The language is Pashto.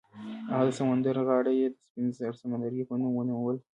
هغه د سمندر غاړه یې د سپین زر سمندرګي په نوم ونوموله.